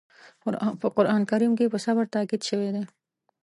په قرآن کریم کې په صبر تاکيد شوی دی.